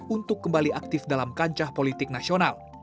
untuk kembali aktif dalam kancah politik nasional